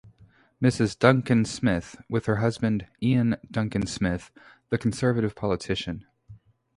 Mrs Duncan Smith, with her husband Iain Duncan Smith, the Conservative politician.